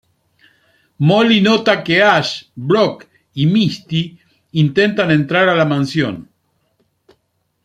Molly nota que Ash, Brock y Misty intentan entrar a la mansión.